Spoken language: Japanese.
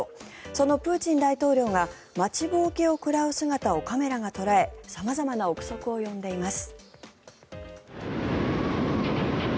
そのプーチン大統領が待ちぼうけを食らう姿をカメラが捉え様々な臆測を呼んでいます。